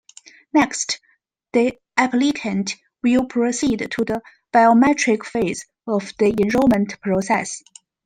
Next, the applicant will proceed to the biometric phase of the enrollment process.